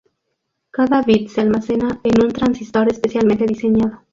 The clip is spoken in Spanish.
Cada bit se almacena en un transistor especialmente diseñado.